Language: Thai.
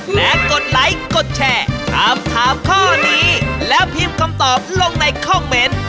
และกดไลค์กดแชร์ถามถามข้อนี้แล้วพิมพ์คำตอบลงในคอมเมนต์